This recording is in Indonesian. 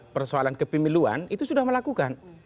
persoalan kepemiluan itu sudah melakukan